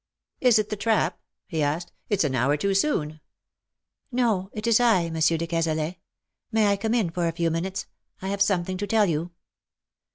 " Is it the trap ?" he asked. " It's an hour too soon." " No, it is I, Monsieur de Cazalet. May I come in for a few minutes ? I have something to tell you."